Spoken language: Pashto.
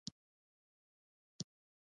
ډاکټر صېب د خدائ خدمتګار تحريک